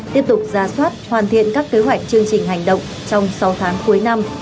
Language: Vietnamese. tiếp tục ra soát hoàn thiện các kế hoạch chương trình hành động trong sáu tháng cuối năm